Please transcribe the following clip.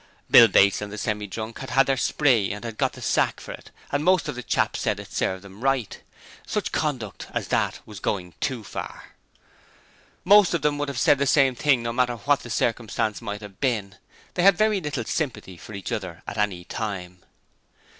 Bill Bates and the Semi drunk had had their spree and had got the sack for it and most of the chaps said it served them right. Such conduct as that was going too far. Most of them would have said the same thing no matter what the circumstances might have been. They had very little sympathy for each other at any time.